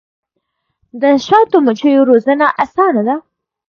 د شاتو مچیو روزنه اسانه ده؟